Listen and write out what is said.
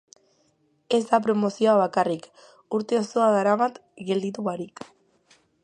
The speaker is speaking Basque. Ez da promozioa bakarrik, urte osoa daramat gelditu barik.